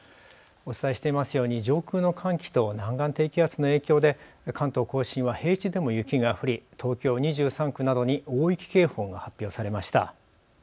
お伝えしていますように上空の寒気と南岸低気圧の影響で関東・甲信は平地でも雪が降り東京２３区などに大雪警報が発表されました。